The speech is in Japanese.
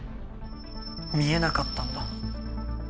見えなかったんだ。